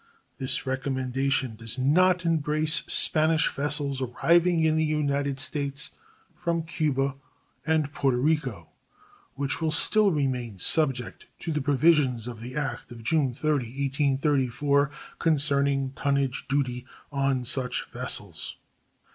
This recommendation does not embrace Spanish vessels arriving in the United States from Cuba and Porto Rico, which will still remain subject to the provisions of the act of June 30, 1834, concerning tonnage duty on such vessels.